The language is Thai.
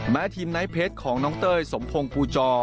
ทีมไนท์เพชรของน้องเต้ยสมพงศ์ภูจอ